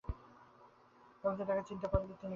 লোকজন তাকে চিনতে পারলে তিনি বিরক্ত হন।